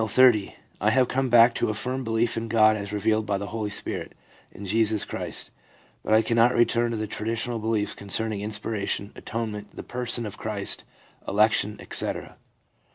* I have come back to a firm belief in God as revealed by the Holy Spirit in Jesus Christ, but I can not return to the traditional beliefs concerning inspira tion, atonement, the person of Christ, election, etc/ F.